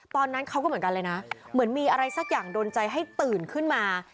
ตอนนั้นเขาก็เหมือนกันเลยนะเหมือนมีอะไรสักอย่างโดนใจให้ตื่นขึ้นมา